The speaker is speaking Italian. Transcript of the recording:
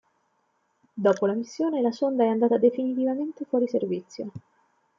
Dopo la missione, la sonda è andata definitivamente fuori servizio.